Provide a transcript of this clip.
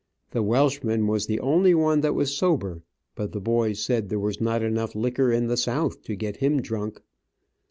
The Welchman was the only one that was sober, but the boys said there was not enough liquor in the South to get him drunk.